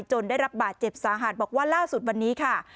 ได้รับบาดเจ็บสาหัสบอกว่าล่าสุดวันนี้ค่ะ